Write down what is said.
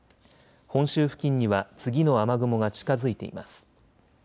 本州付近には次の雨雲が近づいています。